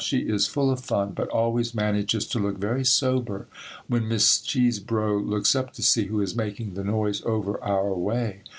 She is full of fun but always manages to look very sober when Miss Chesebro looks up to see who is making the noise over our way.